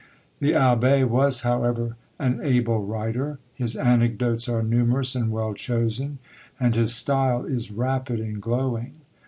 The Abbé was, however, an able writer; his anecdotes are numerous and well chosen; and his style is rapid and glowing.